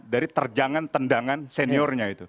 dari terjangan tendangan seniornya itu